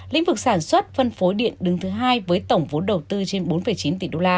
lĩnh vực sản xuất phân phối điện đứng thứ hai với tổng vốn đầu tư trên bốn chín